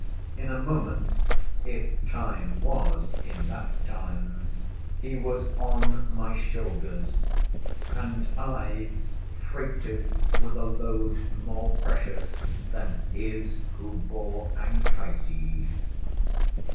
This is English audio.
In a moment (if time was in that time) he was on my shoulders, and I—freighted with a load more precious than his who bore Anchises.